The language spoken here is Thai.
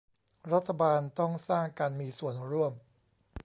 รัฐบาลต้องสร้างการมีส่วนร่วม